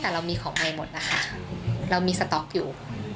แต่เรามีของใหม่หมดนะคะเรามีสต๊อกอยู่